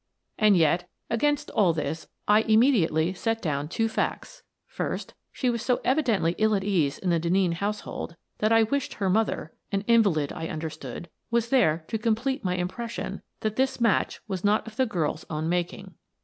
And yet, against all this I immediately set down two facts. First, she was so evidently ill at ease in the Denneen household that I wished her mother — an invalid, I understood — was there to complete my impres sion that this match was not of the girl's own mak ing.